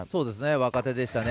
若手でしたね。